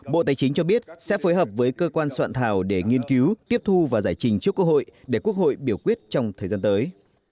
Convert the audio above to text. bộ tài chính cho biết sẽ phối hợp với cơ quan soạn thảo để nghiên cứu tiếp thu và giải trình trước quốc hội để quốc hội biểu quyết trong thời gian tới